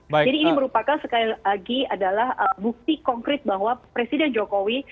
jadi ini merupakan sekali lagi adalah bukti konkret bahwa presiden jokowi